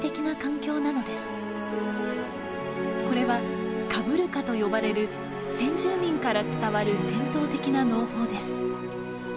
これはカブルカと呼ばれる先住民から伝わる伝統的な農法です。